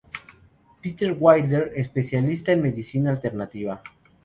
Peter Wilder, especialista en Medicina Alternativa.